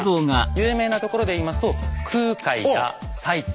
有名なところで言いますと空海や最澄。